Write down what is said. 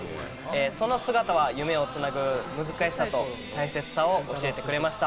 その姿は夢をつなぐ難しさと大切さを教えてくれました。